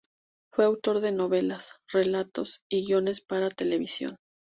Fue autor de novelas, relatos y de guiones para televisión.